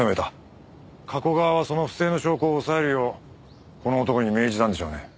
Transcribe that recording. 加古川はその不正の証拠を押さえるようこの男に命じたんでしょうね。